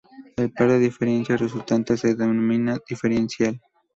El par de diferencias resultante se denomina "diferencial".